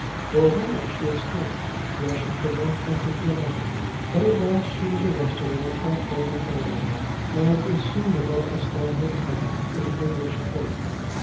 For a while she escaped, rushing from one country to another, but at last she was arrested on a platform in Oregon, and is soon about to stand her trial in an English Court.